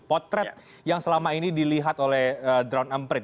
potret yang selama ini dilihat oleh drone emprit